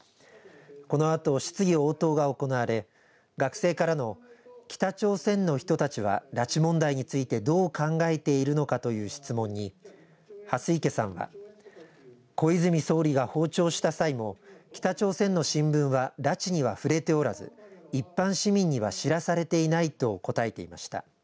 このあと質疑応答が行われ学生からの北朝鮮の人たちは拉致問題についてどう考えているのかという質問に、蓮池さんは小泉総理が訪朝した際も北朝鮮の新聞は拉致には触れておらず一般市民には知らされていないと答えていました。